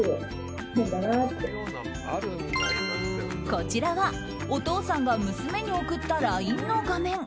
こちらはお父さんが娘に送ったＬＩＮＥの画面。